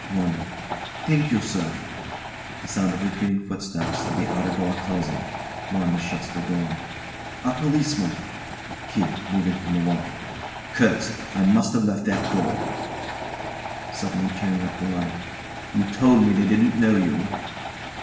WANDA. Thank you, air. [The sound of retreating footsteps, of the outer door closing. WANDA shuts the door.] A policeman! KEITH. [Moving from the wall] Curse! I must have left that door. [Suddenly turning up the light] You told me they didn't know you.